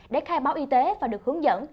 để khai báo y tế và được hướng dẫn